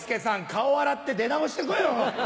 顔洗って出直してこいよ！